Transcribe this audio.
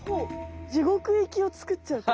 地獄行きをつくっちゃう？え？